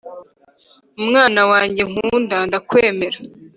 Umwana wanjye nkunda ndakwemera